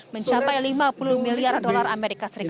mencapai lima puluh miliar dolar as